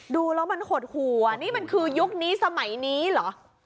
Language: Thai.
ดูแล้วมันหดหัวนี่มันคือยุคนี้สมัยนี้เหรอ